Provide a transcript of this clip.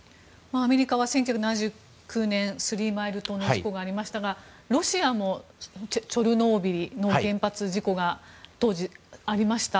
アメリカは１９７９年スリーマイル島の事故がありましたがロシアもチョルノービリの原発事故が当時、ありました。